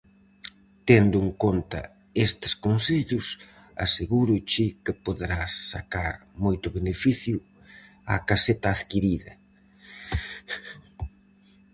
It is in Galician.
Tendo en conta estes consellos, asegúroche que poderás sacar moito beneficio á caseta adquirida.